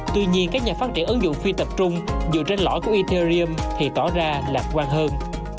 tuy nhiên các nhà phát triển ứng dụng phi tập trung dựa trên lõi của inter liêm thì tỏ ra lạc quan hơn